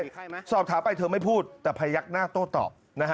ตรวจสอบถาไปเธอไม่พูดแต่พัยักหน้าโต๊ะตอบ